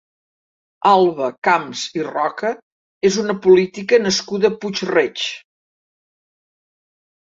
Alba Camps i Roca és una política nascuda a Puig-reig.